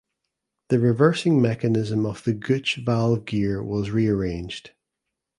The reversing mechanism of the Gooch valve gear was rearranged.